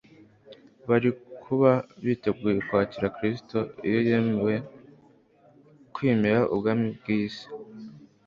Bari kuba biteguye kwakira Kristo iyo yemera kwimika ubwami bw'iyi si,